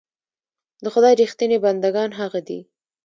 د خدای رښتيني بندګان هغه دي.